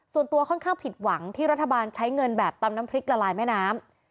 ส่วนตัวค่อนข้างผิดหวังที่รัฐบาลใช้เงินแบบตำน้ำพริกละลายแม่น้ำ